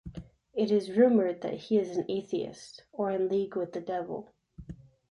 It is rumored that he is an atheist or in league with the Devil.